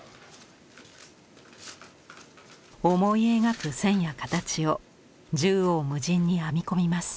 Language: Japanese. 思い描く線や形を縦横無尽に編み込みます。